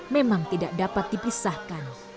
memang tidak dapat dipisahkan